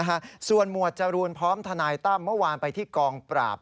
นะฮะส่วนหมวดจรูนพร้อมทนายตั้มเมื่อวานไปที่กองปราบ